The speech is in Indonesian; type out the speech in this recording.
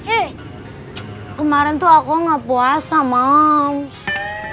eh kemarin tuh aku gak puasa mau